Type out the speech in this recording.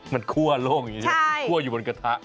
มันคั่วโลกอย่างนี้ใช่ไหมคั่วอยู่บนกระทะใช่